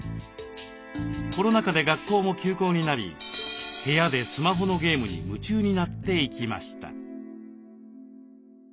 コロナ禍で学校も休校になり部屋でスマホのゲームに夢中になっていきました。